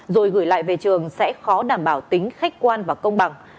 rồi gửi lại về trường sẽ khó đảm bảo tính khách quan và công bằng